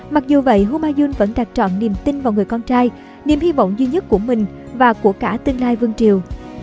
mặc dù vậy humayun vẫn đặt trọn niềm tin vào người con trai niềm hy vọng duy nhất của mình và của cả tương lai vương triều